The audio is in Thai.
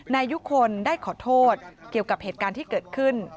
นายยุคลได้ขอโทษเกี่ยวกับเหตุการณ์ที่เกิดขึ้น